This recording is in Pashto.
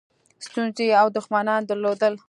ستونزې او دښمنان درلودل.